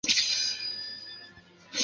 该校的羽毛球校队较为著名。